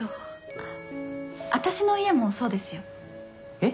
あっ私の家もそうですよ。えっ？